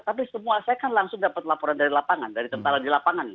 tapi semua saya kan langsung dapat laporan dari lapangan dari tentara di lapangan